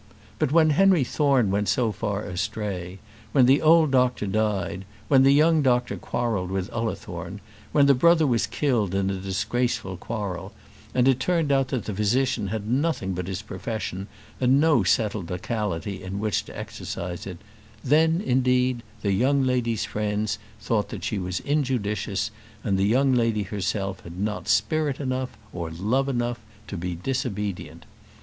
But when Henry Thorne went so far astray, when the old doctor died, when the young doctor quarrelled with Ullathorne, when the brother was killed in a disgraceful quarrel, and it turned out that the physician had nothing but his profession and no settled locality in which to exercise it; then, indeed, the young lady's friends thought that she was injudicious, and the young lady herself had not spirit enough, or love enough, to be disobedient.